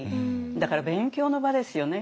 だから勉強の場ですよね。